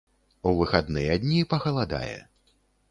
У выхадныя дні пахаладае.